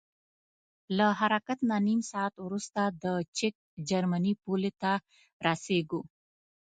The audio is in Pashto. له حرکت نه نیم ساعت وروسته د چک جرمني پولې ته رسیږو.